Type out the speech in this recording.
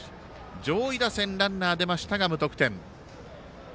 上位打線ランナーが出ましたが無得点。